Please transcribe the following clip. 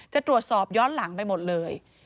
จะตรวจสอบย้อนหลังไปหมดเลย